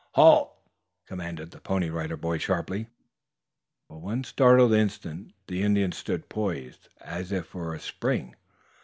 "Halt!" commanded the Pony Rider boy sharply. For one startled instant the Indian stood poised as if for a spring.